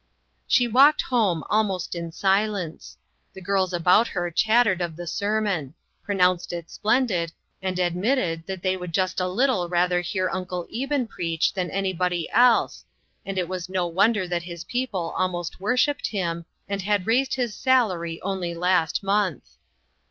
She walked home almost in silence. The girls about her chattered of the sermon ; pronounced it splendid, and admitted that they would just a little rather hear Uncle Eben preach than anybody else, and it was no wonder that his people almost worshiped him, and had raised his salary only last month.